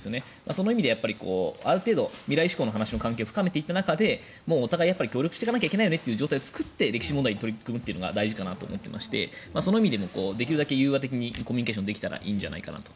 その意味でやっぱりある程度、未来志向の関係を深めていく中でお互いに協力していかなければいけないよねという状態を作って歴史問題に取り組んでいくというのが大事かなと思っていてその意味でもできるだけ融和的にコミュニケーションできたらいいんじゃないかなと。